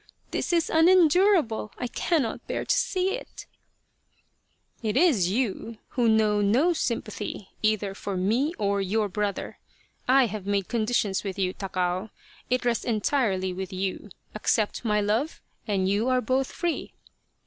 This is unendurable ! I cannot bear to see it !"" It is you who know no sympathy either for me or your brother. I have made conditions with you, Takao. It rests entirely with you. Accept my love and you are both free."